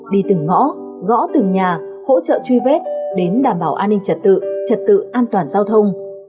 đi từng ngõ gõ từng nhà hỗ trợ truy vết đến đảm bảo an ninh trật tự trật tự an toàn giao thông